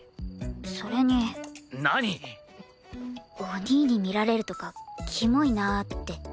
お兄に見られるとかキモいなって。